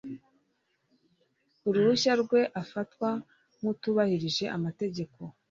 Uruhushya rwe afatwa nk utubahirije amategeko